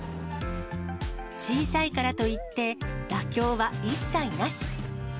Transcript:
小さいからといって、妥協は一切なし。